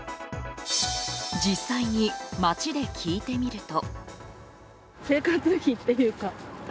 実際に、街で聞いてみると。